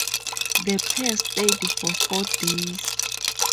The pair stayed for four days.